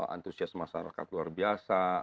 antusias masyarakat luar biasa